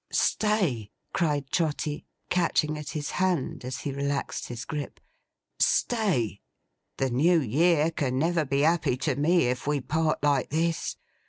'Stay!' cried Trotty, catching at his hand, as he relaxed his grip. 'Stay! The New Year never can be happy to me, if we part like this.